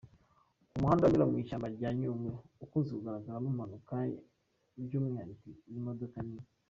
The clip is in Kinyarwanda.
Umuhanda unyura mu ishyamba rya Nyungwe ukunze kugaragaramo impanuka, by’umwihariko z’imodoka nini.